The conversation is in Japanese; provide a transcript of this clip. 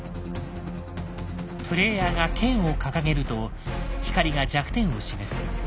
プレイヤーが剣を掲げると光が弱点を示す。